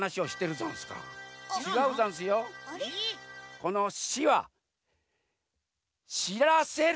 この「し」は「し」らせる！